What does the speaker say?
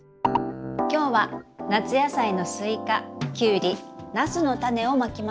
「今日は夏野菜のスイカキュウリナスのタネをまきました。